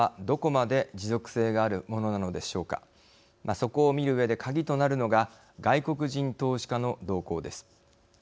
そこを見るうえで鍵となるのが外国人投資家の動向です。